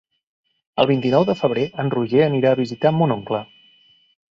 El vint-i-nou de febrer en Roger anirà a visitar mon oncle.